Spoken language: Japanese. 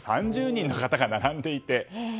およそ３０人の方が並んでいて。